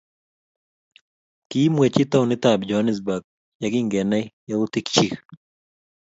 kimwechi taunitab Joanesburg yekingenai youtikchich